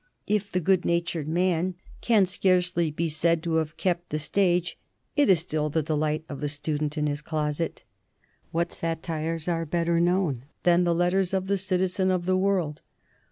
If "The Good Natured Man" can scarcely be said to have kept the stage, it is still the delight of the student in his closet. What satires are better known than the letters of the "Citizen of the World"?